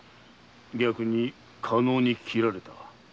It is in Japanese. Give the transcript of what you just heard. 逆に加納に斬られた。